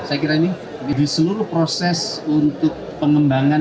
saya kira ini di seluruh proses untuk pengembangan